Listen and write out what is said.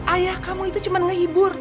ayah kamu itu cuma ngehibur